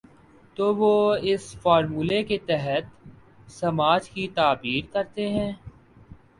تو وہ اس فارمولے کے تحت سماج کی تعبیر کرتے ہیں۔